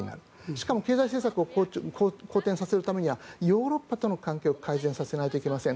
しかも経済政策を好転させるためにはヨーロッパとの関係を改善させないといけません。